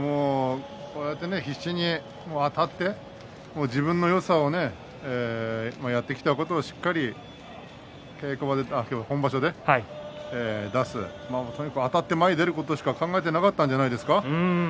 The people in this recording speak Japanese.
必死にあたって自分のよさをやってきたことをしっかり本場所で出すあたって前に出ることしか考えてなかったんではないでしょうか。